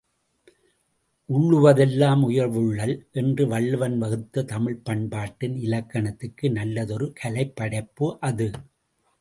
உள்ளுவதெல்லாம் உயர்வுள்ளல் என்று வள்ளுவன் வகுத்த தமிழ்ப் பண்பாட்டின் இலக்கணத்திற்கு நல்லதொரு கலைப் படைப்பு அது.